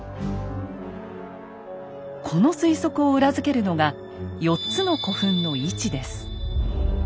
この推測を裏付けるのが４つの古墳の位置です。